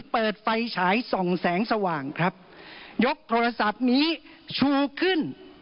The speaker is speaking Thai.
เปิดไฟฉายส่องแสงสว่างครับยกโทรศัพท์นี้ชูขึ้น